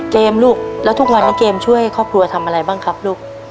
ลูกแล้วทุกวันนี้เกมช่วยครอบครัวทำอะไรบ้างครับลูก